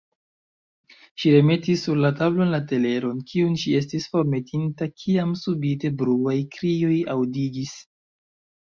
Ŝi remetis sur la tablon la teleron, kiun ŝi estis formetinta, kiam subite bruaj krioj aŭdiĝis.